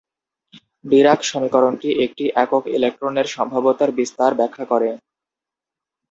Dirac সমীকরণটি একটি "একক" ইলেকট্রনের সম্ভাব্যতার বিস্তার ব্যাখ্যা করে।